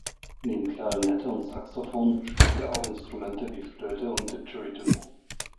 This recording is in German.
Neben Klarinette und Saxophon spielt er auch Instrumente wie Flöte und Didgeridoo.